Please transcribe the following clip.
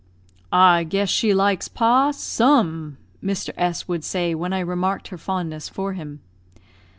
"I guess she likes pa, some," Mr. S would say when I remarked her fondness for him.